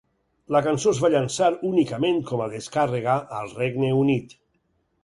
La cançó es va llançar únicament com a descàrrega, al Regne Unit.